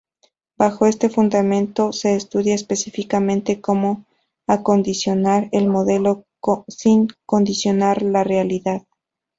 Bajo este fundamento se estudia específicamente cómo acondicionar el modelo sin condicionar la realidad.